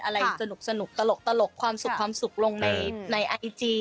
อะไรสนุกตลกความสุขลงในไอจี